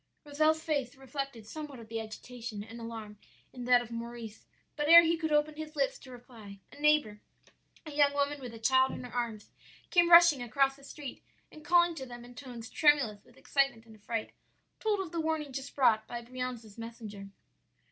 Rozel's face reflected somewhat of the agitation and alarm in that of Maurice; but ere he could open his lips to reply, a neighbor, a young woman with a child in her arms, came rushing across the street, and calling to them in tones tremulous with excitement and affright, told of the warning just brought by Brianza's messenger.